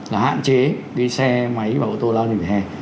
là hạn chế đi xe máy và ô tô lao lên vỉa hè